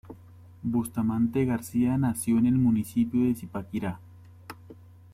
Bustamante García nació en el municipio de Zipaquirá.